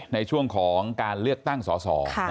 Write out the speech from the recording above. ในช่วงของการเลือกตั้งสอสอ